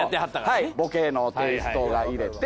はいボケのテイストが入れて。